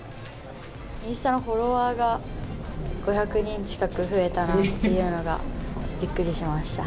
インスタのフォロワーが５００人近く増えたなっていうのがびっくりしました。